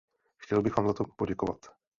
Chtěl bych vám za to poděkovat.